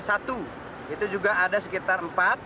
satu itu juga ada sekitar empat